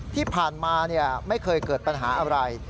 ที่ผ่านมาไม่เคยเกิดปัญหาอะไร